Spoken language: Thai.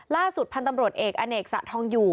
ล่าสุดพันธ์ตำรวจเอกอเนกสะทองอยู่